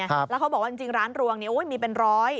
แล้วเขาบอกว่าจริงร้านรวงมีเป็นร้อย